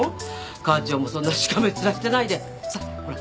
課長もそんなしかめっ面してないでさっほら